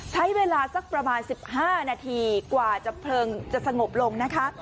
ใช้เวลาสักประมาณ๑๕นาทีกว่าจะเพลิงจะสงบลงนะคะ